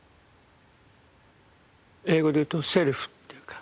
英語で言うと「セルフ」というか。